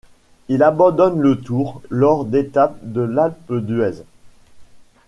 Il abandonne le Tour lors d'étape de l'Alpe d'Huez.